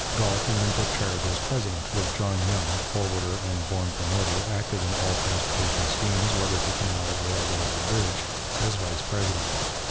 Galt then took charge as president, with John Young forwarder and born promoter, active in all transportation schemes, whether for canal, railway, or bridge as vice president.